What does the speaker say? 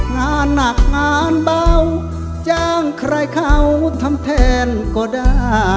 งานหนักงานเบาจ้างใครเขาทำแทนก็ได้